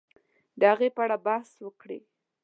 د هغې په اړه بحث وکړي